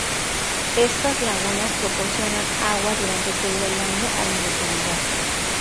Estas lagunas proporcionan agua durante todo el año a la localidad..